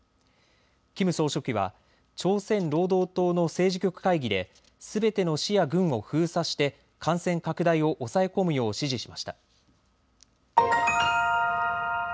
キム総書記は朝鮮労働党の政治局会議ですべての市や郡を封鎖して感染拡大を抑え込むよう指示しました。